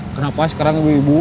kenapa sekarang ibu ibu